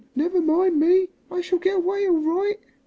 Never mind me. I shall get away all right."